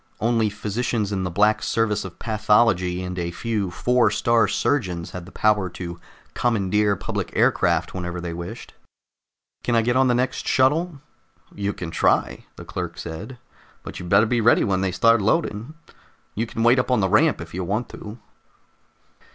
Only physicians in the Black Service of Pathology and a few Four star Surgeons had the power to commandeer public aircraft whenever they wished. "Can I get on the next shuttle?" "You can try," the clerk said, "but you'd better be ready when they start loading. You can wait up on the ramp if you want to."